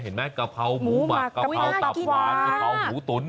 เห็นไหมกะเพราหมูหมักกะเพราตับหวานกะเพราหมูตุ๋น